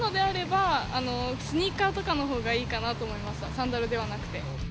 サンダルではなくて。